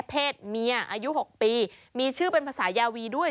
เพศเมียอายุ๖ปีมีชื่อเป็นภาษายาวีด้วย